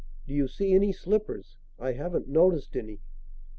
Do you see any slippers? I haven't noticed any."